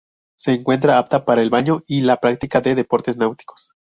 Se encuentra apta para el baño y la práctica de deportes náuticos.